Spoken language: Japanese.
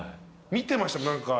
見てました何か。